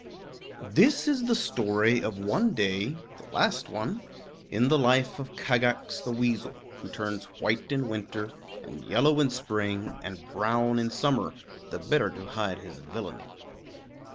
[Illustration: Kagax] This is the story of one day, the last one, in the life of Kagax the Weasel, who turns white in winter, and yellow in spring, and brown in summer, the better to hide his villainy.